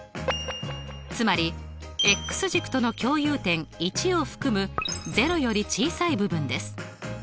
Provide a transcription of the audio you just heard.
つまり軸との共有点１を含む０より小さい部分です。